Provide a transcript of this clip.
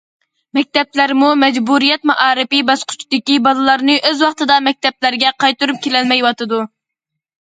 مەكتەپلەرمۇ مەجبۇرىيەت مائارىپى باسقۇچىدىكى بالىلارنى ئۆز ۋاقتىدا مەكتەپلەرگە قايتۇرۇپ كېلەلمەيۋاتىدۇ.